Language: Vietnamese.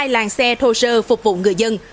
hai làng xe thô sơ phục vụ người dân